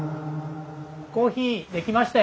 コーヒー出来ましたよ。